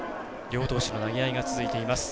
両投手の投げ合いが続いています